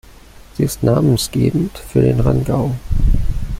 Sie ist namensgebend für den Rangau.